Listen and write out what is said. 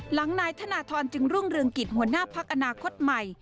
นายธนทรจึงรุ่งเรืองกิจหัวหน้าพักอนาคตใหม่